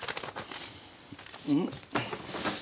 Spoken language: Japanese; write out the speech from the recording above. うん？